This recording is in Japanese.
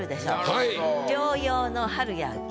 はい！